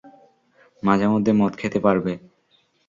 মাঝেমধ্যে মদ খেতে পারবে।